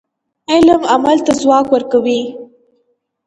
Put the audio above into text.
علم عمل ته ځواک ورکوي.